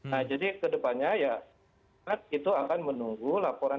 nah jadi kedepannya ya itu akan menunggu laporan